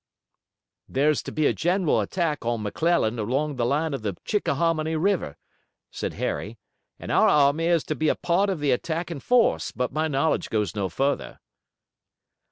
"There's to be a general attack on McClellan along the line of the Chickahominy river," said Harry, "and our army is to be a part of the attacking force, but my knowledge goes no further."